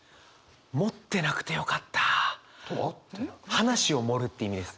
話を盛るっていう意味です。